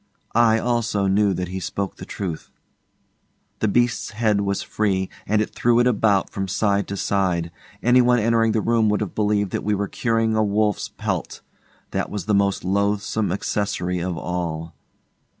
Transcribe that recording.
I, also, knew that he spoke the truth. The beast's head was free, and it threw it about from side to side. Any one entering the room would have believed that we were curing a wolf's pelt. That was the most loathsome accessory of all.